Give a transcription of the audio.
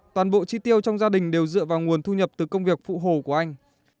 toàn bộ chi tiêu trong gia đình đều dựa vào nguồn thu nhập từ công việc phụ hồ của anh